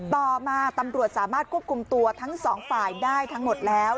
ต่อมาตำรวจสามารถควบคุมตัวทั้งสองฝ่ายได้ทั้งหมดแล้ว